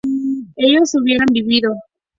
ellos hubieran vivido